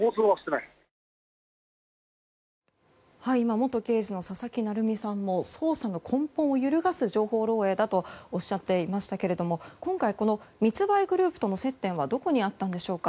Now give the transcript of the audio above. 元刑事の佐々木成三さんも捜査の根本を揺るがす情報漏洩だとおっしゃっていましたが今回この密売グループとの接点はどこにあったんでしょうか。